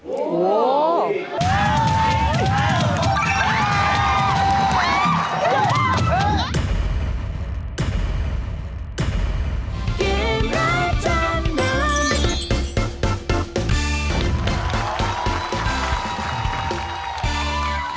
เยี่ยม